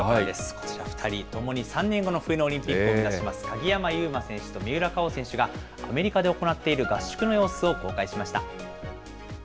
こちら、２人、共に３年後の冬のオリンピックを目指します鍵山優真選手と三浦佳生選手が、アメリカで行っている合宿の様子を公開しました。